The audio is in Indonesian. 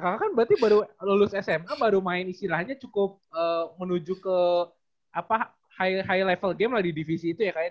kakak kan berarti baru lulus sma baru main istilahnya cukup menuju ke high level game lah di divisi itu ya kak